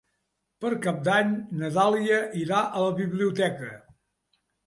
Per Cap d'Any na Dàlia irà a la biblioteca.